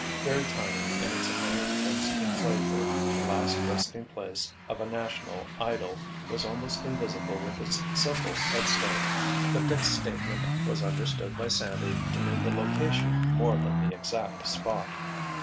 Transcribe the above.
Very tiny, in its iron fenced enclosure, the last resting place of a national idol, was almost invisible with its simple headstone; but Dick's statement was understood by Sandy to mean the location more than the exact spot.